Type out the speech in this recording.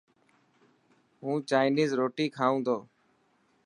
هون چائنيز روٽي کائون تو.